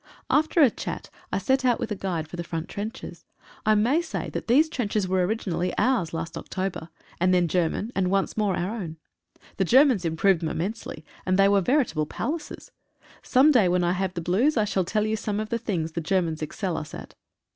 After a chat I set out with a guide for the front trenches. I may say that these trenches were originally ours last October, and then German, and once more our own. The Germans improved them immensely, and they were veritable palaces. Some day when I have the blues I shall tell you some of the things the Germans excel us at.